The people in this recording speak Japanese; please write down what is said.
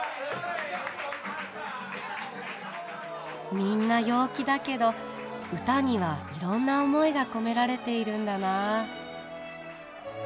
みんな陽気だけど歌にはいろんな思いが込められているんだなあ。